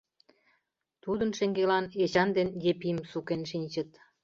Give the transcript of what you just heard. Тудын шеҥгелан Эчан ден Епим сукен шинчыт.